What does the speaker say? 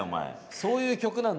そういう歌なんで。